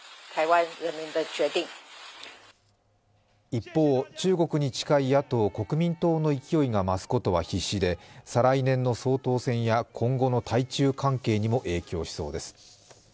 一方、中国に近い野党・国民党の勢いが増すことは必至で再来年の総統選や今後の台中関係にも影響しそうです。